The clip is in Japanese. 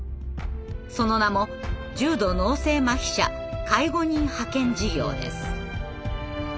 その名も「重度脳性麻痺者介護人派遣事業」です。